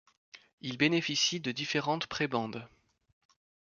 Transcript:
Il bénéficie de différentes prébendes.